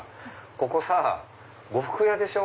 ここさ呉服屋でしょ？